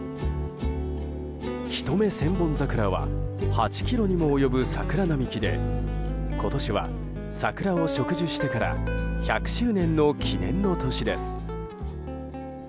一目千本桜は８ｋｍにもわたる桜並木で今年は桜を植樹してから１００周年の記念の年です。